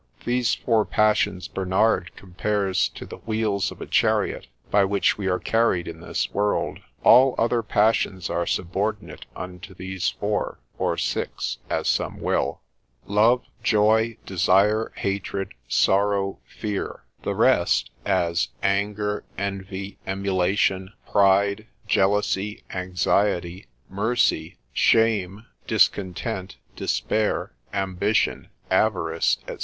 These four passions Bernard compares to the wheels of a chariot, by which we are carried in this world. All other passions are subordinate unto these four, or six, as some will: love, joy, desire, hatred, sorrow, fear; the rest, as anger, envy, emulation, pride, jealousy, anxiety, mercy, shame, discontent, despair, ambition, avarice, &c.